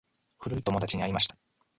古い友達に会いました。